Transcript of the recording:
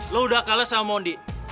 lo udah kalah sama mondi